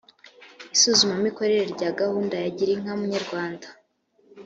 isuzumamikorere rya gahunda ya girinka munyarwanda